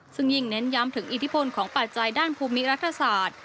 ซึ่งยิ่งเน้นย้ำถึงอิทธิพลของปัจจัยด้านภูมิรัฐศาสตร์